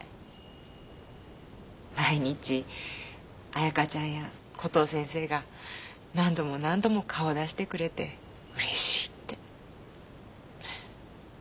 毎日彩佳ちゃんやコトー先生が何度も何度も顔出してくれてうれしいって。